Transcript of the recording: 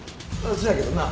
そやけどな。